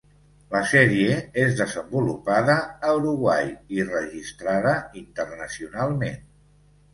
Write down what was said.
La sèrie és desenvolupada a Uruguai i registrada internacionalment.